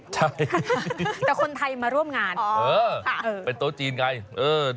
ใช่แต่คนไทยมาร่วมงานเป็นโต๊ะจีนไง